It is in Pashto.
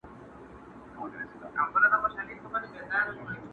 رنګ په وینو سره چاړه یې هم تر ملا وه!.